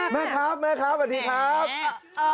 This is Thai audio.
แม่ครับแม่ครับสวัสดีครับ